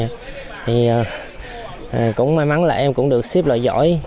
thì cũng may mắn là em cũng được ship loại giỏi